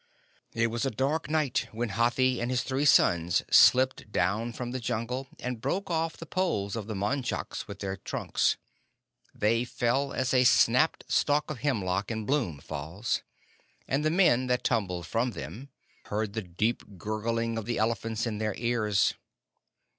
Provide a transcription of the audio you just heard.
It was a dark night when Hathi and his three sons slipped down from the Jungle, and broke off the poles of the machans with their trunks; they fell as a snapped stalk of hemlock in bloom falls, and the men that tumbled from them heard the deep gurgling of the elephants in their ears.